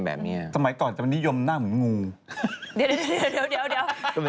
เป็นวาธิเท่านั้นนะ